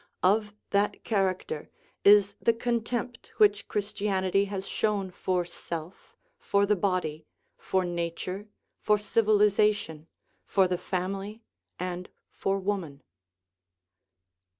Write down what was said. Of that character is the con tempt which Christianity has shown for self, for the body, for nature, for civilization, for the family, and for woman.